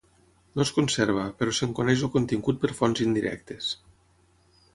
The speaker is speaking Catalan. No es conserva, però se'n coneix el contingut per fonts indirectes.